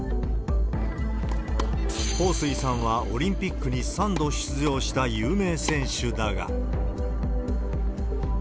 彭師さんは、オリンピックに３度出場した有名選手だが。